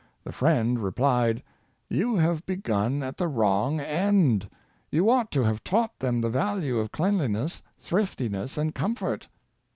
The friend replied, ^' You have begun at the wrong end. You ought to have taught them the value of cleanliness, thriftiness, and comfort."